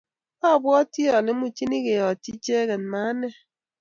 abwati ale muchini keyotyi icheket ma ane